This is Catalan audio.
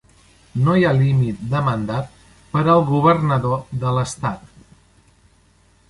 No hi ha límit de mandat per al governador de l'estat.